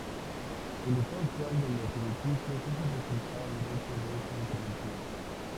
El estado actual de los edificios es el resultado directo de esa intervención.